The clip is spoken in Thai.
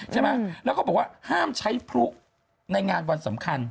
ใช่ไหมแล้วก็บอกว่าห้ามใช้พลุในงานวันสำคัญ